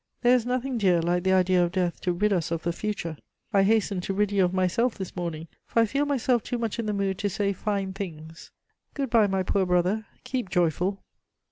There is nothing, dear, like the idea of death to rid us of the future. I hasten to rid you of myself this morning, for I feel myself too much in the mood to say fine things. Good bye, my poor brother. Keep joyful."